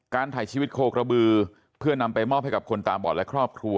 ถ่ายชีวิตโคกระบือเพื่อนำไปมอบให้กับคนตาบอดและครอบครัว